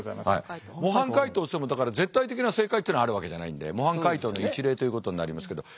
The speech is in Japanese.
模範解答っていってもだから絶対的な正解っていうのがあるわけじゃないんで模範解答の一例ということになりますけどちょっと見ていただいて。